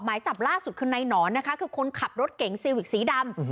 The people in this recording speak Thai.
หมายจับล่าสุดคือนายหนอนนะคะคือคนขับรถเก่งซีวิกสีดำ